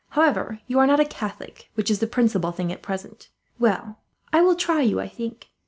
However, you are not a Catholic, which is the principal thing, at present. "Well, I will try you, I think.